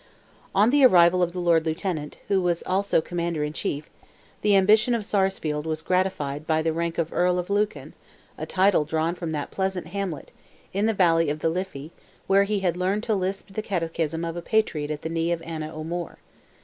On the arrival of the Lord Lieutenant, who was also Commander in Chief, the ambition of Sarsfield was gratified by the rank of Earl of Lucan, a title drawn from that pleasant hamlet, in the valley of the Liffey, where he had learned to lisp the catechism of a patriot at the knee of Anna O'Moore.